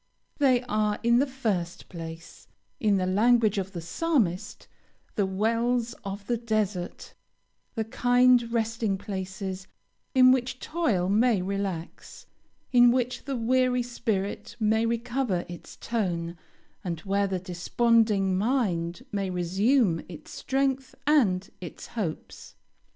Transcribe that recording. They are, in the first place, in the language of the Psalmist, "the wells of the desert;" the kind resting places in which toil may relax, in which the weary spirit may recover its tone, and where the desponding mind may resume its strength and its hopes.